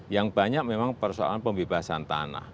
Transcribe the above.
yang banyak memang persoalan pembebasan tanah